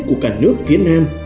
của cả nước phía nam